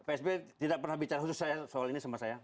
pak sby tidak pernah bicara khusus saya soal ini sama saya